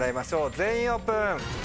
全員オープン！